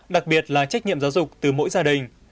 đặc biệt là trách nhiệm giáo dục từ mỗi gia đình